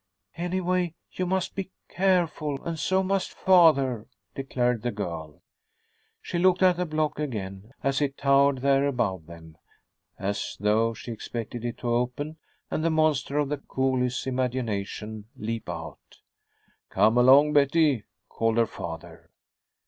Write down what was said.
"Anyway, you must be careful, and so must father," declared the girl. She looked at the block again, as it towered there above them, as though she expected it to open and the monster of the coolies' imagination leap out. "Come along, Betty," called her father.